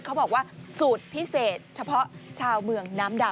เขาบอกว่าสูตรพิเศษเฉพาะชาวเมืองน้ำดำ